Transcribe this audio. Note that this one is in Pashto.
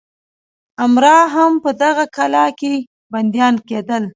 امرا هم په دغه کلا کې بندیان کېدل.